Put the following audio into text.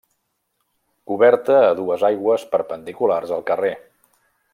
Coberta a dues aigües perpendiculars al carrer.